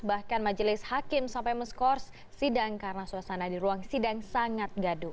bahkan majelis hakim sampai meskors sidang karena suasana di ruang sidang sangat gaduh